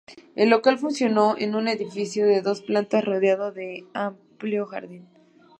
El local funcionó en un edificio de dos plantas rodeado de un amplio jardín.